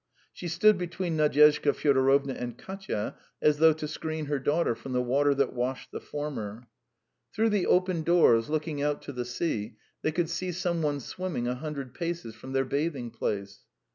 She stood between Nadyezhda Fyodorovna and Katya as though to screen her daughter from the water that washed the former. Through the open doors looking out to the sea they could see some one swimming a hundred paces from their bathing place.